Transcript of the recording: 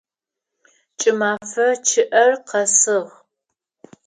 Кӏымэфэ чъыӏэр къэсыгъ.